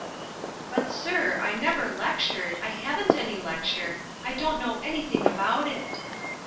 "But, sir, I never lectured, I haven't any lecture, I don't know anything about it."